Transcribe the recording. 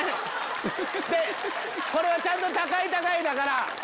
これはちゃんと高い高いだから。